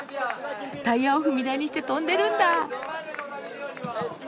タイヤを踏み台にして跳んでるんだ。